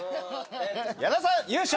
矢田さん優勝！